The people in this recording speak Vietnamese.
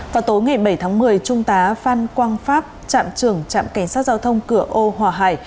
vào tối ngày bảy tháng một mươi trung tá phan quang pháp trạm trưởng trạm cảnh sát giao thông cửa âu hòa hải